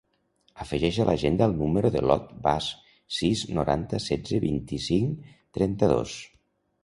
Afegeix a l'agenda el número de l'Ot Bas: sis, noranta, setze, vint-i-cinc, trenta-dos.